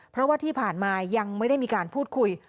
เพราะว่าที่ผ่านมายังไม่ได้มีการพูดคุย